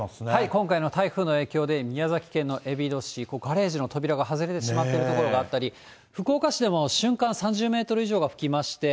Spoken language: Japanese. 今回の台風の影響で、宮崎県のえびの市、ガレージの扉が外れてしまっている所があったり、福岡市でも瞬間３０メートル以上が吹きまして。